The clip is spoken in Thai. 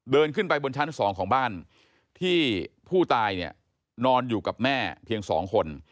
เดินขึ้นไปบนชั้น๒ของบ้านที่ผู้ตายเนี่ยนอนอยู่กับแม่เพียง๒คน